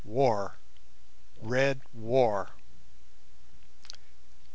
WAR! RED WAR!